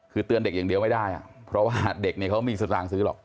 คือเตือนเด็กอย่างเดียวไม่ได้เพราะว่าเด็กเนี่ยเขามีสตางค์ซื้อหรอก